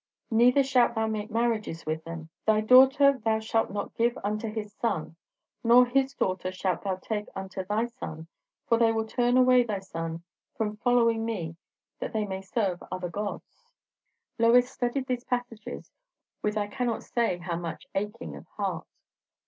"Neither shalt thou make marriages with them; thy daughter thou shalt not give unto his son, nor his daughter shalt thou take unto thy son. For they will turn away thy son from following me, that they may serve other gods." Lois studied these passages with I cannot say how much aching of heart.